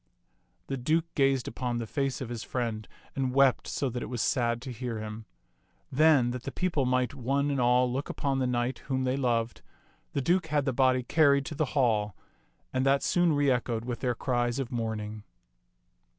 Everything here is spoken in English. The Duke gazed upon the face of his friend and wept so that it was sad to hear him. Then, that the people might one and all look upon the knight whom they loved, the Duke had the body carried to the hall, and that soon reechoed with their cries of mourning.